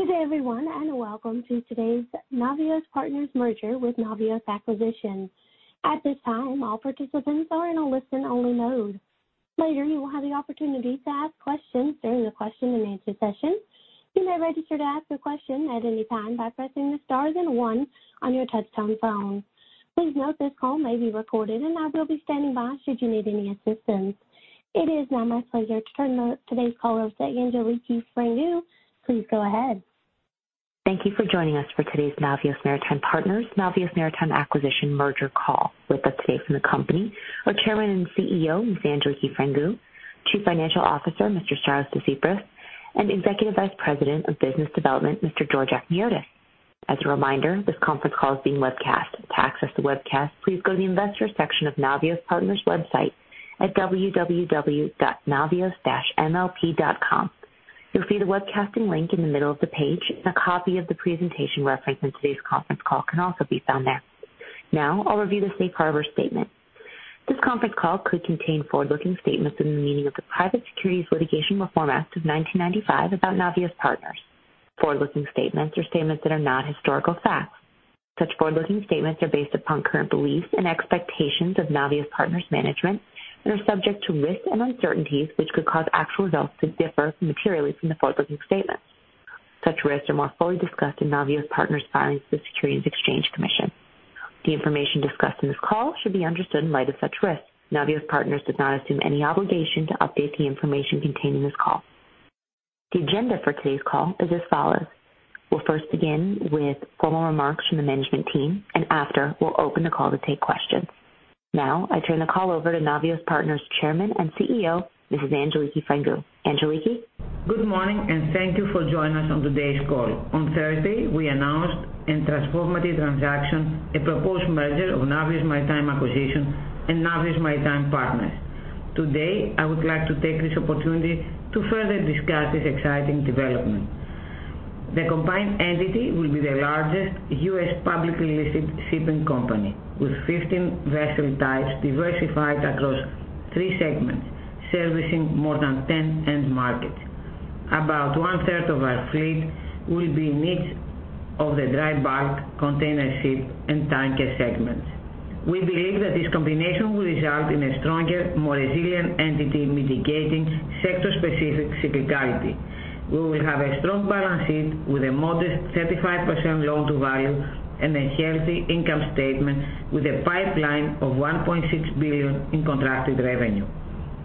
Good day, everyone, and welcome to today's Navios Partners merger with Navios Acquisition. It is now my pleasure to turn the today's call over to Angeliki Frangou. Please go ahead. Thank you for joining us for today's Navios Maritime Partners, Navios Maritime Acquisition Merger call. With us today from the company are Chairman and CEO, Mrs. Angeliki Frangou, Chief Financial Officer, Mr. Efstratios Desypris, and Executive Vice President of Business Development, Mr. Georgios Akhniotis. As a reminder, this conference call is being webcast. To access the webcast, please go to the investor section of Navios Partners website at www.navios-mlp.com. You'll see the webcasting link in the middle of the page and a copy of the presentation referenced in today's conference call can also be found there. Now, I'll review the safe harbor statement. This conference call could contain forward-looking statements in the meaning of the Private Securities Litigation Reform Act of 1995 about Navios Partners. Forward-looking statements are statements that are not historical facts. Such forward-looking statements are based upon current beliefs and expectations of Navios Partners Management and are subject to risks and uncertainties which could cause actual results to differ materially from the forward-looking statements. Such risks are more fully discussed in Navios Partners filings with the Securities and Exchange Commission. The information discussed on this call should be understood in light of such risks. Navios Partners does not assume any obligation to update the information contained in this call. The agenda for today's call is as follows. We'll first begin with formal remarks from the management team, and after, we'll open the call to take questions. Now, I turn the call over to Navios Partners Chairman and CEO, Mrs. Angeliki Frangou. Angeliki. Good morning and thank you for joining us on today's call. On Thursday, we announced a transformative transaction, a proposed merger of Navios Maritime Acquisition and Navios Maritime Partners. Today, I would like to take this opportunity to further discuss this exciting development. The combined entity will be the largest U.S. publicly listed shipping company with 15 vessel types diversified across three segments, servicing more than 10 end markets. About one-third of our fleet will be mix of the Dry Bulk, Containership and Tanker segments. We believe that this combination will result in a stronger, more resilient entity mitigating sector-specific cyclicality. We will have a strong balance sheet with a modest 35% loan to value and a healthy income statement with a pipeline of $1.6 billion in contracted revenue.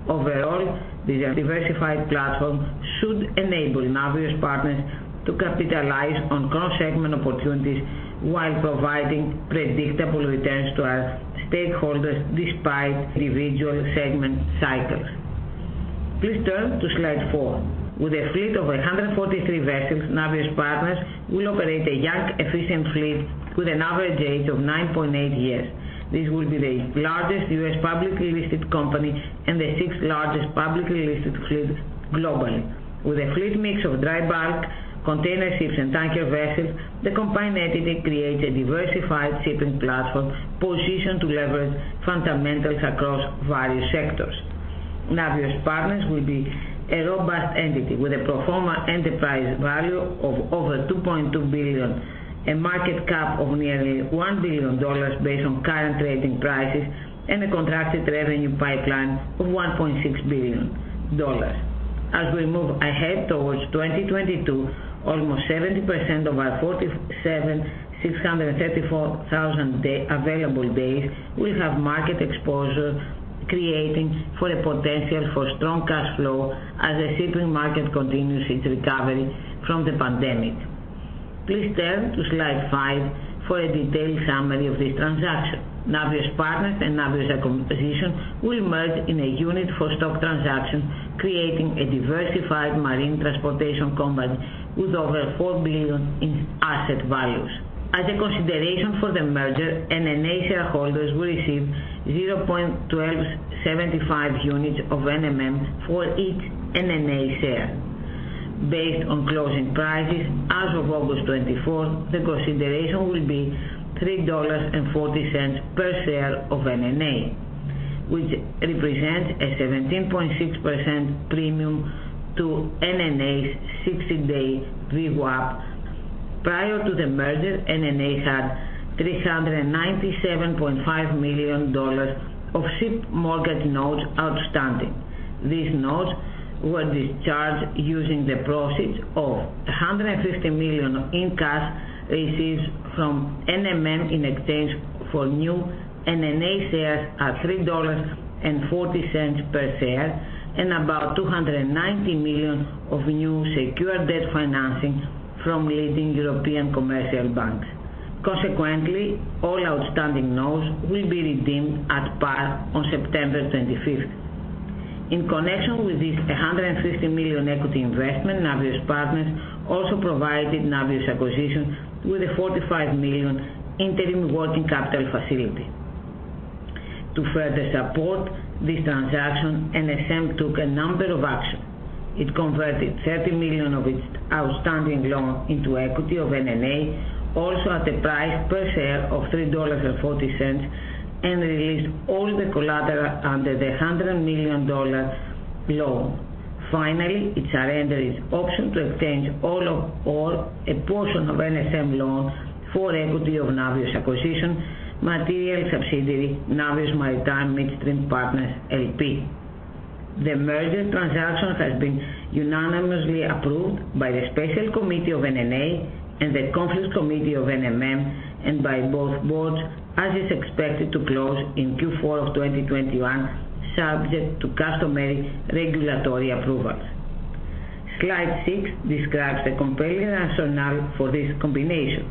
Overall, this diversified platform should enable Navios Partners to capitalize on cross-segment opportunities while providing predictable returns to our stakeholders despite individual segment cycles. Please turn to slide four. With a fleet of 143 vessels, Navios Partners will operate a young, efficient fleet with an average age of 9.8 years. This will be the largest U.S. publicly listed company and the sixth largest publicly listed fleet globally. With a fleet mix of dry bulk, containerships, and tanker vessels, the combined entity creates a diversified shipping platform positioned to leverage fundamentals across various sectors. Navios Partners will be a robust entity with a pro forma enterprise value of over $2.2 billion, a market cap of nearly $1 billion based on current trading prices, and a contracted revenue pipeline of $1.6 billion. As we move ahead towards 2022, almost 70% of our 47,634 available days will have market exposure creating for a potential for strong cash flow as the shipping market continues its recovery from the pandemic. Please turn to slide five for a detailed summary of this transaction. Navios Partners and Navios Acquisition will merge in a unit-for-stock transaction, creating a diversified marine transportation company with over $4 billion in asset values. As a consideration for the merger, NNA shareholders will receive 0.1275 units of NMM for each NNA share. Based on closing prices as of August 24, the consideration will be $3.40 per share of NNA, which represents a 17.6% premium to NNA's 60 day VWAP. Prior to the merger, NNA had $397.5 million of ship mortgage notes outstanding. These notes were discharged using the proceeds of $150 million in cash received from NMM in exchange for new NNA shares at $3.40 per share and about $290 million of new secure debt financing from leading European commercial banks. Consequently, all outstanding notes will be redeemed at par on September 25th. In connection with this $150 million equity investment, Navios Partners also provided Navios Acquisition with a $45 million interim working capital facility. To further support this transaction, NSM took a number of actions. It converted $30 million of its outstanding loan into equity of NNA, also at a price per share of $3.40. Release all the collateral under the $100 million loan. Finally, it surrendered its option to exchange all or a portion of NMM loans for equity of Navios Acquisition, material subsidiary, Navios Maritime Midstream Partners LP. The merger transaction has been unanimously approved by the special committee of NNA and the conflicts committee of NMM, and by both Boards, as is expected to close in Q4 of 2021, subject to customary regulatory approvals. Slide six describes the compelling rationale for this combination.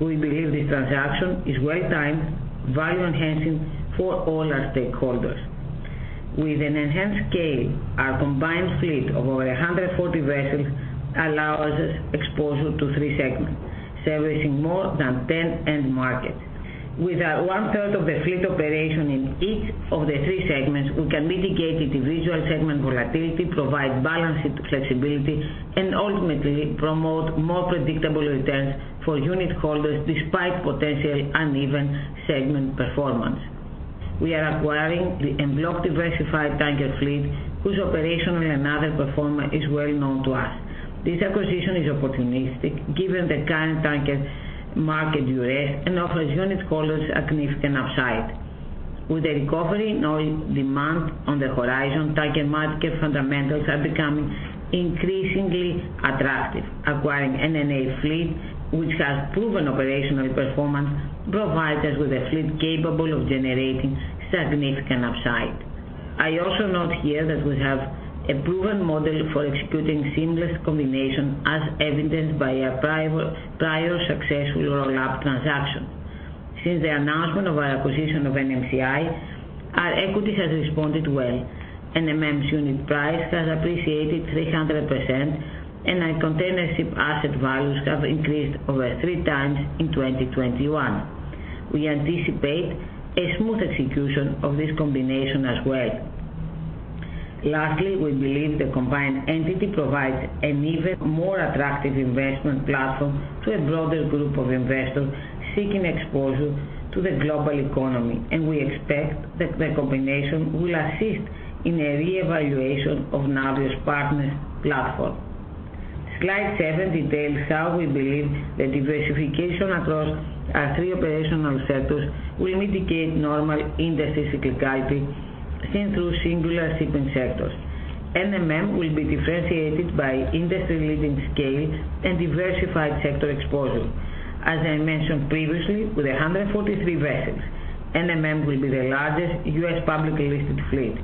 We believe this transaction is well-timed, value-enhancing for all our stakeholders. With an enhanced scale, our combined fleet of over 140 vessels allows us exposure to three segments, servicing more than 10 end markets. With one-third of the fleet operation in each of the three segments, we can mitigate individual segment volatility, provide balanced flexibility, and ultimately promote more predictable returns for unitholders despite potential uneven segment performance. We are acquiring the en bloc diversified tanker fleet, whose operational and Navios performances is well known to us. This acquisition is opportunistic given the current tanker market duress and offers unitholders significant upside. With the recovery in oil demand on the horizon, tanker market fundamentals are becoming increasingly attractive. Acquiring NNA fleet, which has proven operational performance, provides us with a fleet capable of generating significant upside. I also note here that we have a proven model for executing seamless combination as evidenced by our prior successful roll-up transaction. Since the announcement of our acquisition of NMCI, our equity has responded well. NMM's unit price has appreciated 300%, and our containership asset values have increased over 3 times in 2021. We anticipate a smooth execution of this combination as well. Lastly, we believe the combined entity provides an even more attractive investment platform to a broader group of investors seeking exposure to the global economy, and we expect that the combination will assist in a reevaluation of Navios Partners platform. Slide seven details how we believe the diversification across our three operational sectors will mitigate normal industry cyclicality seen through singular segment sectors. NMM will be differentiated by industry-leading scale and diversified sector exposure. As I mentioned previously, with 143 vessels, NMM will be the largest U.S. publicly listed fleet.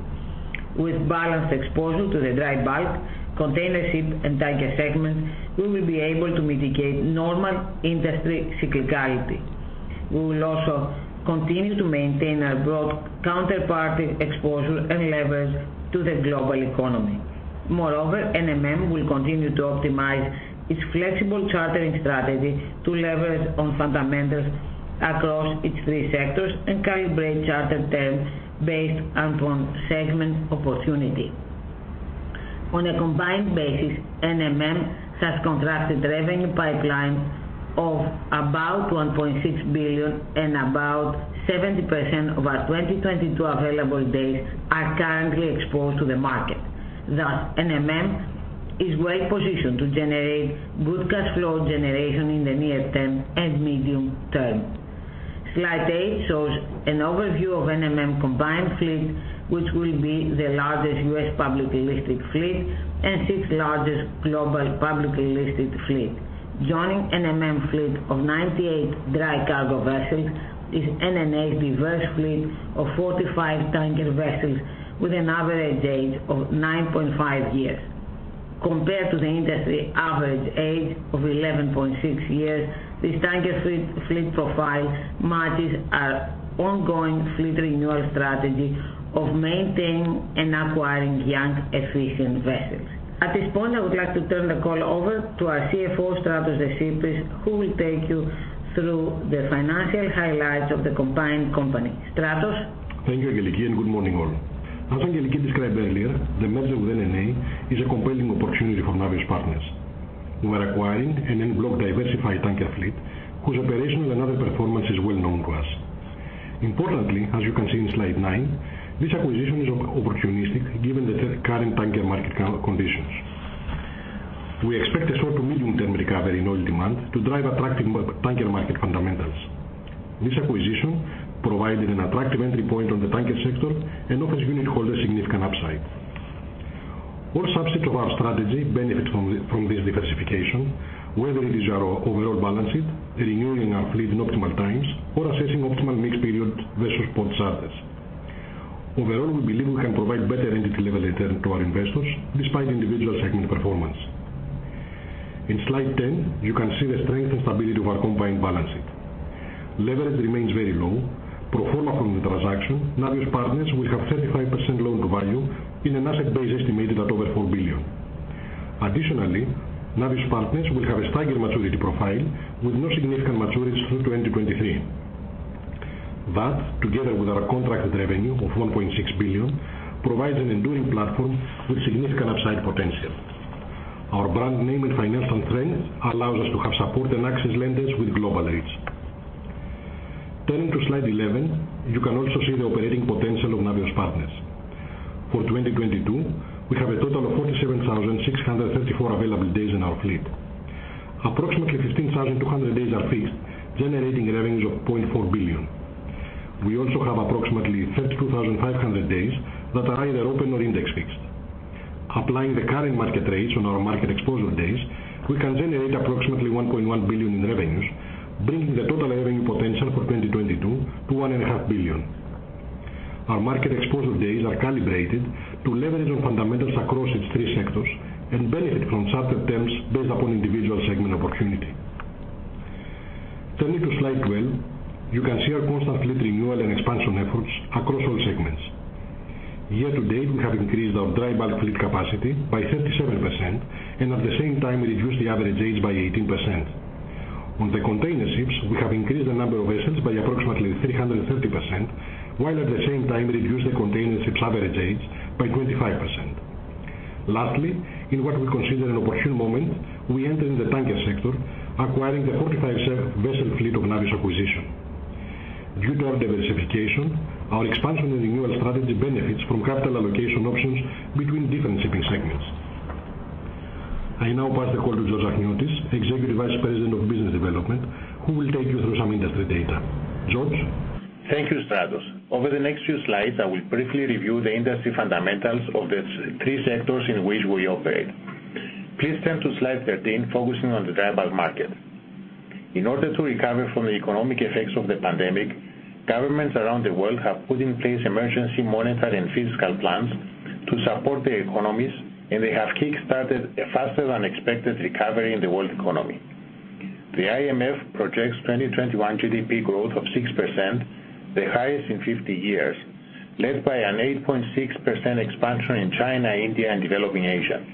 With balanced exposure to the Dry Bulk, Containership, and Tanker segments, we will be able to mitigate normal industry cyclicality. We will also continue to maintain our broad counterparty exposure and leverage to the global economy. NMM will continue to optimize its flexible chartering strategy to leverage on fundamentals across its three sectors and calibrate charter terms based upon segment opportunity. On a combined basis, NMM has contracted revenue pipeline of about $1.6 billion and about 70% of our 2022 available days are currently exposed to the market. NMM is well positioned to generate good cash flow generation in the near term and medium term. Slide eight shows an overview of NMM combined fleet, which will be the largest U.S. publicly listed fleet and sixth largest global publicly listed fleet. Joining NMM fleet of 98 dry cargo vessels is NNA diverse fleet of 45 tanker vessels with an average age of 9.5 years. Compared to the industry average age of 11.6 years, this tanker fleet profile matches our ongoing fleet renewal strategy of maintaining and acquiring young, efficient vessels. At this point, I would like to turn the call over to our CFO, Efstratios Desypris, who will take you through the financial highlights of the combined company. Efstratios? Thank you, Angeliki, and good morning all. As Angeliki described earlier, the merger with NNA is a compelling opportunity for Navios Partners. We are acquiring an en bloc diversified tanker fleet whose operational and other performance is well known to us. Importantly, as you can see in slide nine, this acquisition is opportunistic given the current tanker market conditions. We expect a short to medium-term recovery in oil demand to drive attractive tanker market fundamentals. This acquisition provided an attractive entry point on the tanker sector and offers unitholders significant upside. All aspects of our strategy benefit from this diversification, whether it is our overall balance sheet, renewing our fleet in optimal times, or assessing optimal mixed period versus spot charters. Overall, we believe we can provide better entity level return to our investors despite individual segment performance. In slide 10, you can see the strength and stability of our combined balance sheet. Leverage remains very low. Pro forma from the transaction, Navios Partners will have 35% loan-to-value in an asset base estimated at over $4 billion. Additionally, Navios Partners will have a staggered maturity profile with no significant maturities through 2023. That, together with our contracted revenue of $1.6 billion, provides an enduring platform with significant upside potential. Our brand name in finance and trends allows us to have support and access lenders with global reach. Turning to slide 11, you can also see the operating potential of Navios Partners. For 2022, we have a total of 47,634 available days in our fleet. Approximately 15,200 days are fixed, generating revenues of $0.4 billion. We also have approximately 32,500 days that are either open or index fixed. Applying the current market rates on our market exposure days, we can generate approximately $1.1 billion in revenues, bringing the total revenue potential for 2022 to $1.5 billion. Our market exposure days are calibrated to leverage on fundamentals across its three sectors and benefit from charter terms based upon individual segment opportunity. Turning to slide 12, you can see our constant fleet renewal and expansion efforts across all segments. Year-to-date, we have increased our dry bulk fleet capacity by 37%, and at the same time, reduced the average age by 18%. On the containerships, we have increased the number of vessels by approximately 330%, while at the same time reduced the containerships' average age by 25%. Lastly, in what we consider an opportune moment, we enter in the tanker sector, acquiring the 45 ship vessel fleet of Navios Acquisition. Due to our diversification, our expansion and renewal strategy benefits from capital allocation options between different Shipping segments. I now pass the call to Georgios Akhniotis, Executive Vice President of Business Development, who will take you through some industry data. Georgios? Thank you, Efstratios. Over the next few slides, I will briefly review the industry fundamentals of the three sectors in which we operate. Please turn to slide 13, focusing on the dry bulk market. In order to recover from the economic effects of the pandemic, governments around the world have put in place emergency monetary and fiscal plans to support their economies, and they have kick-started a faster-than-expected recovery in the world economy. The IMF projects 2021 GDP growth of 6%, the highest in 50 years, led by an 8.6% expansion in China, India, and developing Asia.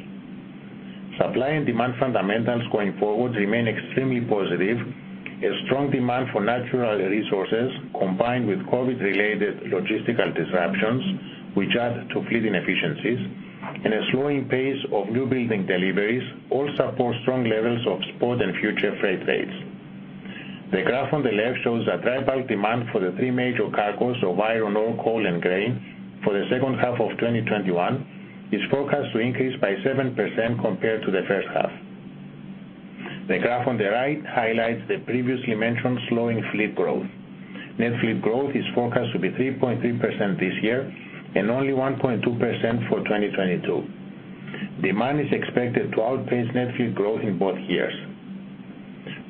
Supply and demand fundamentals going forward remain extremely positive. A strong demand for natural resources, combined with COVID-related logistical disruptions, which add to fleet inefficiencies, and a slowing pace of new building deliveries all support strong levels of spot and future freight rates. The graph on the left shows that dry bulk demand for the three major cargoes of iron ore, coal, and grain for the second half of 2021 is forecast to increase by 7% compared to the first half. The graph on the right highlights the previously mentioned slowing fleet growth. Net fleet growth is forecast to be 3.3% this year and only 1.2% for 2022. Demand is expected to outpace net fleet growth in both years.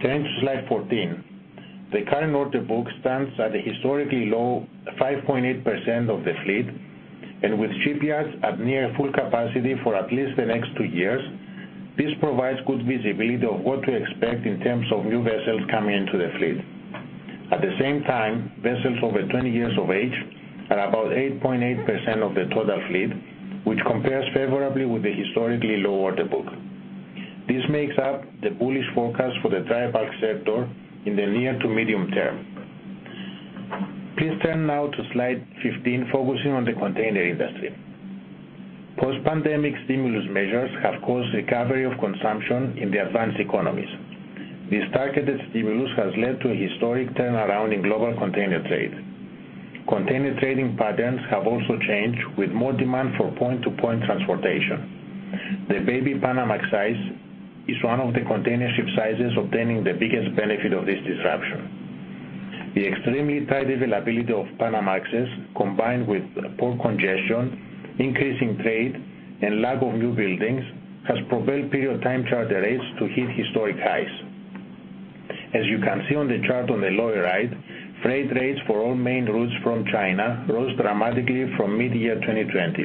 Turning to slide 14, the current order book stands at a historically low 5.8% of the fleet. With shipyards at near full capacity for at least the next two years, this provides good visibility of what to expect in terms of new vessels coming into the fleet. At the same time, vessels over 20 years of age are about 8.8% of the total fleet, which compares favorably with the historically low order book. This makes up the bullish forecast for the dry bulk sector in the near to medium term. Please turn now to slide 15, focusing on the container industry. Post-pandemic stimulus measures have caused recovery of consumption in the advanced economies. This targeted stimulus has led to a historic turnaround in global container trade. Container trading patterns have also changed, with more demand for point-to-point transportation. The baby Panamax size is one of the containership sizes obtaining the biggest benefit of this disruption. The extremely tight availability of Panamax, combined with port congestion, increasing trade, and lack of new buildings, has propelled period time charter rates to hit historic highs. As you can see on the chart on the lower right, freight rates for all main routes from China rose dramatically from mid-year 2020.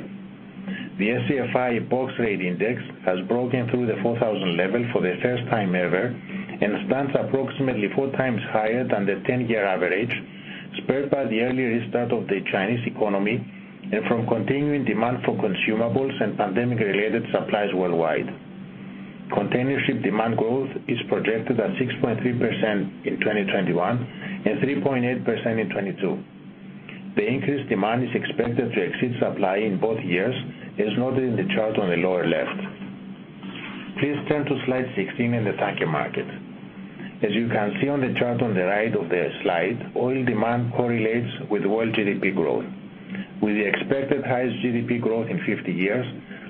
The SCFI box rate index has broken through the 4,000 level for the first time ever and stands approximately four times higher than the 10 year average, spurred by the early restart of the Chinese economy and from continuing demand for consumables and pandemic-related supplies worldwide. Container ship demand growth is projected at 6.3% in 2021 and 3.8% in 2022. The increased demand is expected to exceed supply in both years, as noted in the chart on the lower left. Please turn to slide 16 in the tanker market. As you can see on the chart on the right of the slide, oil demand correlates with world GDP growth. With the expected highest GDP growth in 50 years,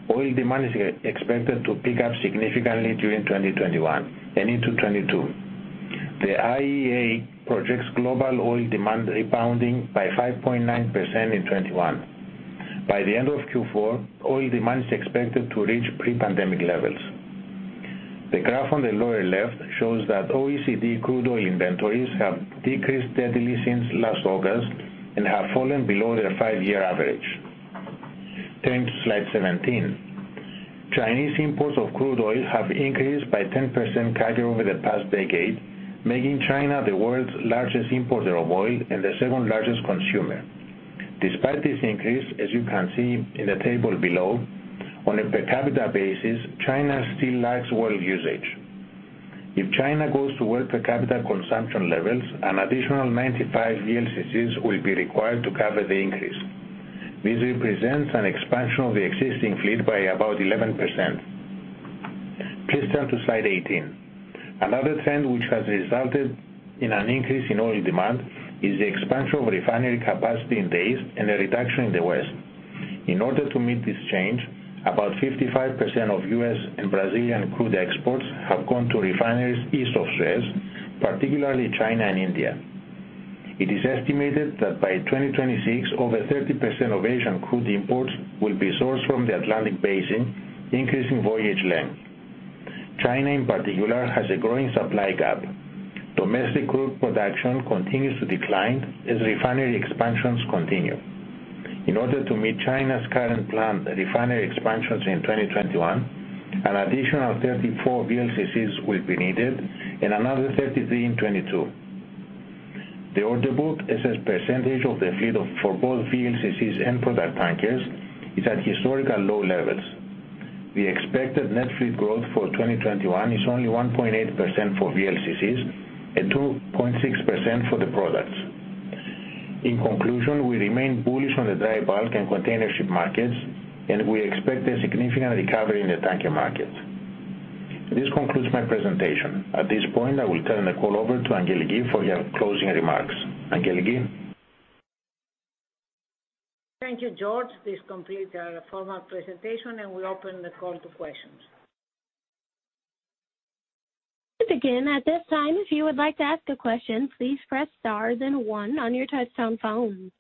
oil demand is expected to pick up significantly during 2021 and into 2022. The IEA projects global oil demand rebounding by 5.9% in 2021. By the end of Q4, oil demand is expected to reach pre-pandemic levels. The graph on the lower left shows that OECD crude oil inventories have decreased steadily since last August and have fallen below their five-year average. Turning to slide 17, Chinese imports of crude oil have increased by 10% CAGR over the past decade, making China the world's largest importer of oil and the second largest consumer. Despite this increase, as you can see in the table below, on a per capita basis, China still lags oil usage. If China goes to wealth per capita consumption levels, an additional 95 VLCCs will be required to cover the increase. This represents an expansion of the existing fleet by about 11%. Please turn to slide 18. Another trend which has resulted in an increase in oil demand is the expansion of refinery capacity in the east and a reduction in the west. In order to meet this change, about 55% of U.S. and Brazilian crude exports have gone to refineries east of Suez, particularly China and India. It is estimated that by 2026, over 30% of Asian crude imports will be sourced from the Atlantic Basin, increasing voyage length. China, in particular, has a growing supply gap. Domestic crude production continues to decline as refinery expansions continue. In order to meet China's current planned refinery expansions in 2021, an additional 34 VLCCs will be needed and another 33 in 2022. The order book as a percentage of the fleet for both VLCCs and product tankers is at historical low levels. The expected net fleet growth for 2021 is only 1.8% for VLCCs and 2.6% for the products. In conclusion, we remain bullish on the dry bulk and containership markets, and we expect a significant recovery in the tanker market. This concludes my presentation. At this point, I will turn the call over to Angeliki for your closing remarks. Angeliki? Thank you, George. This completes our formal presentation, and we open the call to questions. Again, at this time, if you would like to ask a question, please press star then one on your touchtone phone.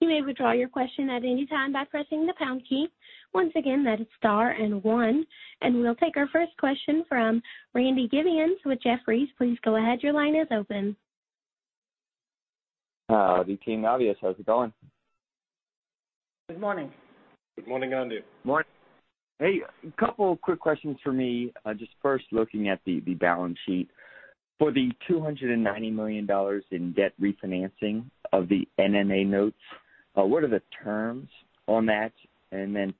You may withdraw your question at any time by pressing the pound key. Once again, that is star and one. We'll take our first question from Randy Giveans with Jefferies. Please go ahead. Your line is open. Howdy, team Navios. How's it going? Good morning. Good morning, Randy. Morning. Hey, couple quick questions from me. Just first looking at the balance sheet. For the $290 million in debt refinancing of the NNA notes, what are the terms on that?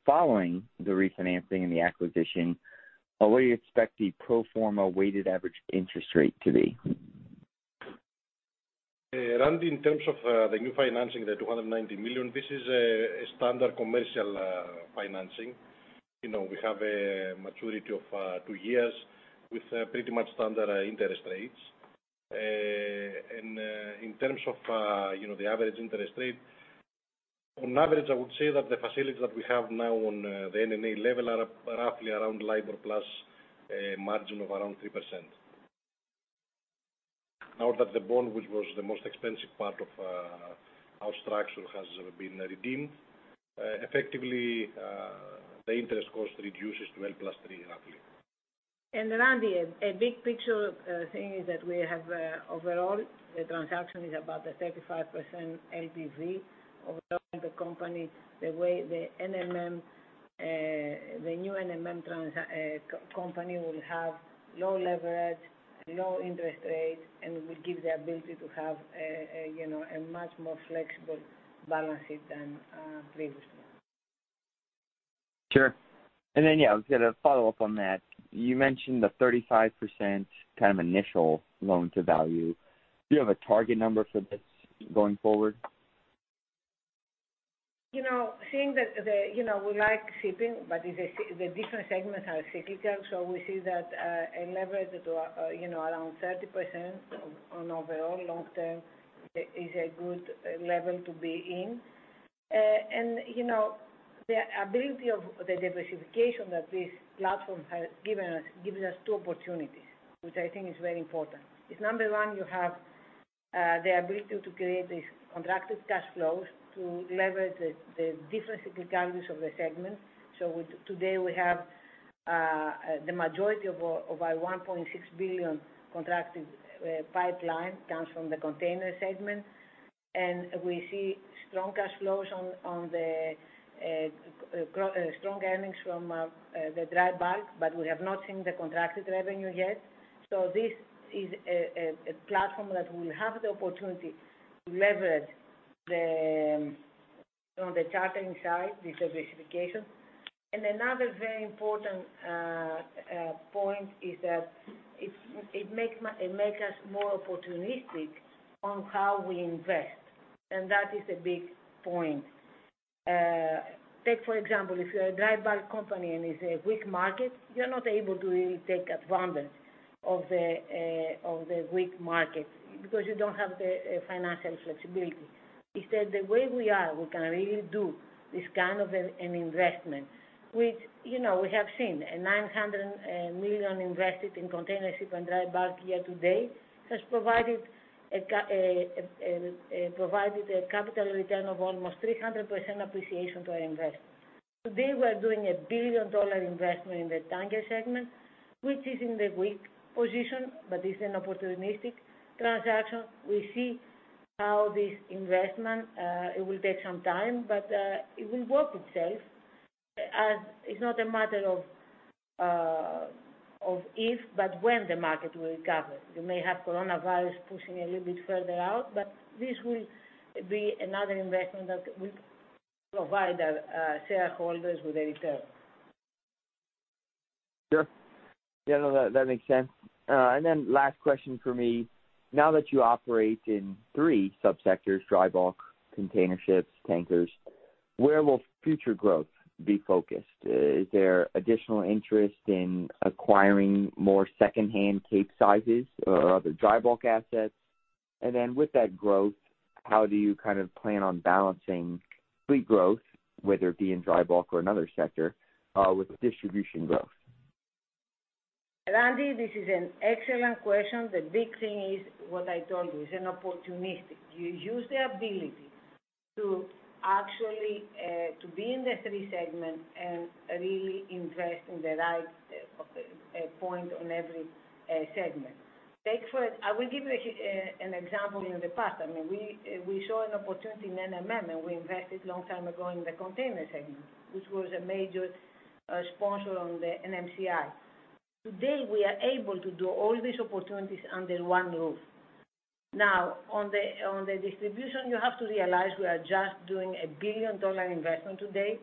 Following the refinancing and the acquisition, what do you expect the pro forma weighted average interest rate to be? Randy, in terms of the new financing, the $290 million, this is a standard commercial financing. We have a maturity of two years with pretty much standard interest rates. In terms of the average interest rate, on average, I would say that the facilities that we have now on the NNA level are roughly around LIBOR plus a margin of around 3%. Now that the bond, which was the most expensive part of our structure, has been redeemed, effectively, the interest cost reduces to L plus 3, roughly. Randy, a big picture thing is that we have overall, the transaction is about a 35% LTV overall the company, the way the new NMM company will have low leverage, low interest rate, and will give the ability to have a much more flexible balance sheet than previously. Sure. Yeah, I was going to follow up on that. You mentioned the 35% initial loan to value. Do you have a target number for this going forward? Seeing that we like shipping, but the different segments are cyclical, we see that a leverage to around 30% on overall long term is a good level to be in. The ability of the diversification that this platform has given us, gives us two opportunities, which I think is very important, is number one, you have the ability to create these contracted cash flows to leverage the different cyclicalities of the segment. Today we have the majority of our $1.6 billion contracted pipeline comes from the Container segment, and we see strong cash flows on the strong earnings from the dry bulk, but we have not seen the contracted revenue yet. This is a platform that will have the opportunity to leverage on the chartering side, this diversification. Another very important point is that it makes us more opportunistic on how we invest, and that is a big point. Take for example, if you're a dry bulk company and it's a weak market, you're not able to really take advantage of the weak market because you don't have the financial flexibility. Instead, the way we are, we can really do this kind of an investment, which we have seen a $900 million invested in containership and dry bulk year-to-date has provided a capital return of almost 300% appreciation to our investors. Today, we are doing a billion-dollar investment in the Tanker segment, which is in the weak position, but it's an opportunistic transaction. We see how this investment, it will take some time, but it will work itself as it's not a matter of if but when the market will recover. You may have coronavirus pushing a little bit further out, but this will be another investment that will provide our shareholders with a return. Sure. Yeah, no, that makes sense. Last question from me. Now that you operate in three subsectors, dry bulk, containerships, tankers, where will future growth be focused? Is there additional interest in acquiring more secondhand Capesizes or other dry bulk assets? With that growth, how do you plan on balancing fleet growth, whether it be in dry bulk or another sector, with distribution growth? Randy, this is an excellent question. The big thing is what I told you, it's opportunistic. You use the ability to actually be in the three segments and really invest in the right point on every segment. I will give you an example in the past. We saw an opportunity in NMM, and we invested long time ago in the Container segment, which was a major sponsor on the NMCI. Today, we are able to do all these opportunities under one roof. Now, on the distribution, you have to realize we are just doing a billion-dollar investment today.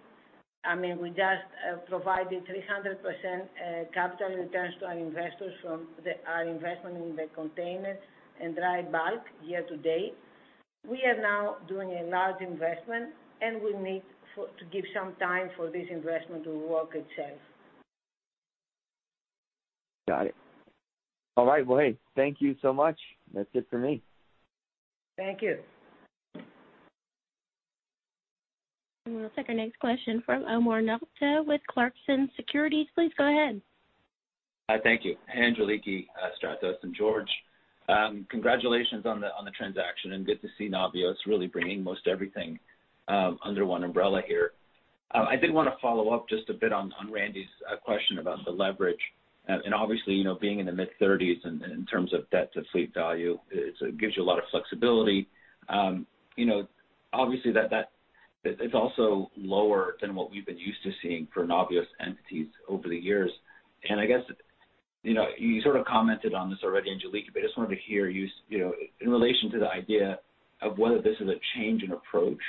We just provided 300% capital returns to our investors from our investment in the container and dry bulk year-to-date. We are now doing a large investment, and we need to give some time for this investment to work itself. Got it. All right. Well, hey, thank you so much. That's it for me. Thank you. We'll take our next question from Omar Nokta with Clarksons Securities. Please go ahead. Hi, thank you. Angeliki, Efstratios, and Georgios, congratulations on the transaction and good to see Navios really bringing most everything under one umbrella here. I did want to follow up just a bit on Randy's question about the leverage. Obviously, being in the mid-30s in terms of debt to fleet value, it gives you a lot of flexibility. Obviously, it's also lower than what we've been used to seeing for Navios entities over the years. I guess, you sort of commented on this already, Angeliki, but I just wanted to hear you, in relation to the idea of whether this is a change in approach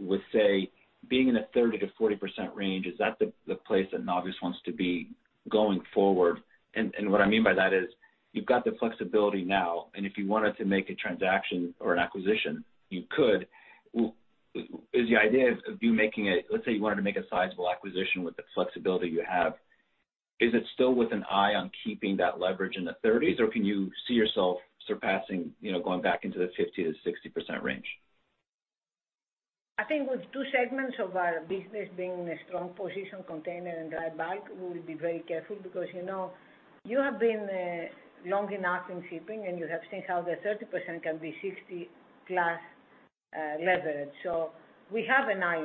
with, say, being in a 30%-40% range. Is that the place that Navios wants to be going forward? What I mean by that is, you've got the flexibility now, and if you wanted to make a transaction or an acquisition, you could. Is the idea of you making a sizable acquisition with the flexibility you have. Is it still with an eye on keeping that leverage in the 30%? Can you see yourself surpassing, going back into the 50%-60% range? I think with two segments of our business being in a strong position, container and dry bulk, we will be very careful because you have been long enough in shipping, and you have seen how the 30% can be 60+% leverage. We have an eye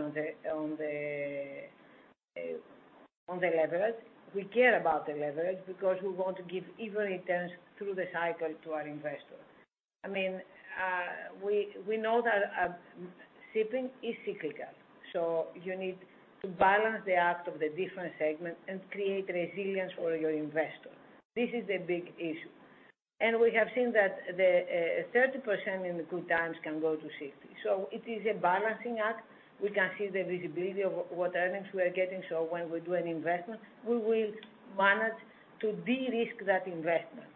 on the leverage. We care about the leverage because we want to give even returns through the cycle to our investors. We know that shipping is cyclical, you need to balance the act of the different segments and create resilience for your investors. This is the big issue. We have seen that the 30% in the good times can go to 60%. It is a balancing act. We can see the visibility of what earnings we are getting. When we do an investment, we will manage to de-risk that investment.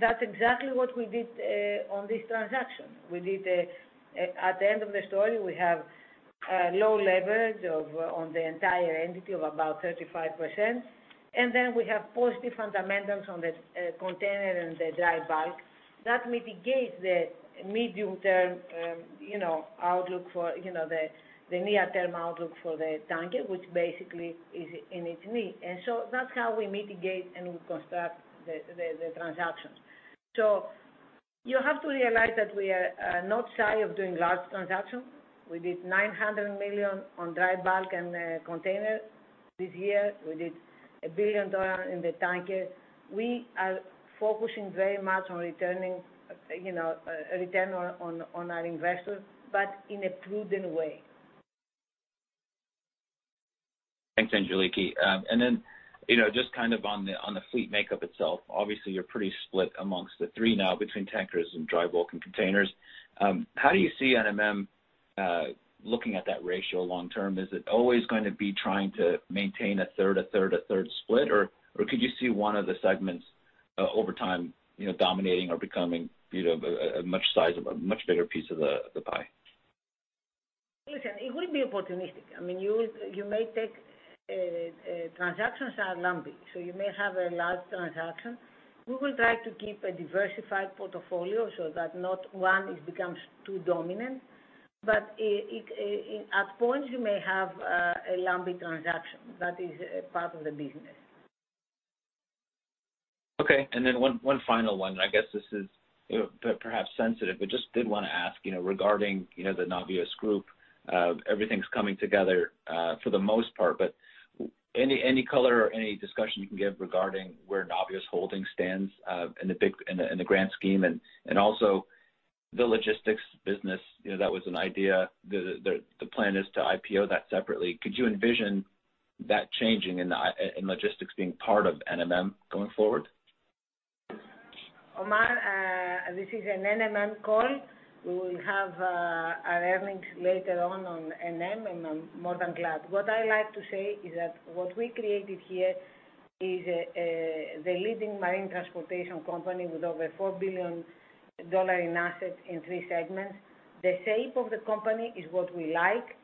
That's exactly what we did on this transaction. At the end of the story, we have low leverage on the entire entity of about 35%, and then we have positive fundamentals on the container and the dry bulk that mitigate the medium-term outlook for the near-term outlook for the tanker, which basically is in its knee. That's how we mitigate and we construct the transactions. You have to realize that we are not shy of doing large transactions. We did $900 million on dry bulk and container this year. We did $1 billion in the tanker. We are focusing very much on returning on our investors, but in a prudent way. Thanks, Angeliki. Just on the fleet makeup itself, obviously you're pretty split amongst the three now between tankers and dry bulk and containers. How do you see NMM looking at that ratio long term? Is it always going to be trying to maintain a third, a third, a third split? Could you see one of the segments over time dominating or becoming a much bigger piece of the pie? Listen, it will be opportunistic. Transactions are lumpy, so you may have a large transaction. We will try to keep a diversified portfolio so that not one becomes too dominant. At points, you may have a lumpy transaction. That is part of the business. Okay. Then one final one. I guess this is perhaps sensitive, but just did want to ask regarding Navios Group. Everything's coming together for the most part, but any color or any discussion you can give regarding where Navios Holding stands in the grand scheme and also the logistics business? That was an idea. The plan is to IPO that separately. Could you envision that changing and logistics being part of NMM going forward? Omar, this is an NMM call. We will have our earnings later on NM and I'm more than glad. What I like to say is that what we created here is the leading marine transportation company with over $4 billion in assets in three segments. The shape of the company is what we like.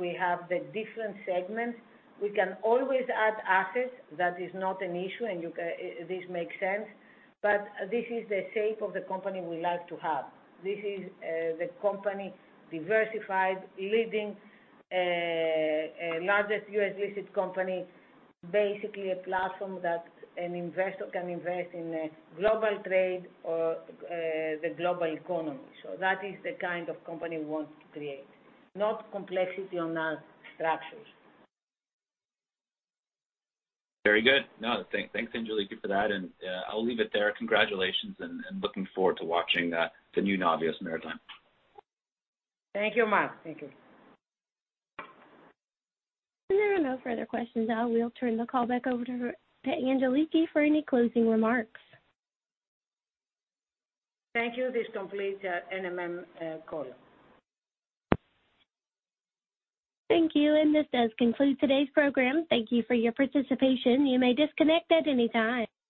We have the different segments. We can always add assets, that is not an issue, and this makes sense. This is the shape of the company we like to have. This is the company diversified, leading, largest U.S.-listed company, basically a platform that an investor can invest in global trade or the global economy. That is the kind of company we want to create, not complexity on our structures. Very good. No, thanks, Angeliki, for that, and I'll leave it there. Congratulations and looking forward to watching the new Navios Maritime. Thank you, Omar. Thank you. If there are no further questions, I will turn the call back over to Angeliki for any closing remarks. Thank you. This completes our NMM call. Thank you, and this does conclude today's program. Thank you for your participation. You may disconnect at any time.